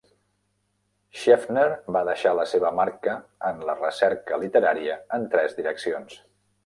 Schiefner va deixar la seva marca en la recerca literària en tres direccions.